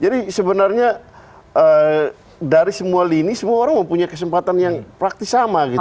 jadi sebenarnya dari semua lini semua orang mempunyai kesempatan yang praktis sama gitu